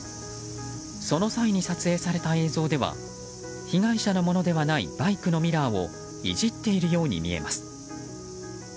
その際に撮影された映像では被害者のものではないバイクのミラーをいじっているように見えます。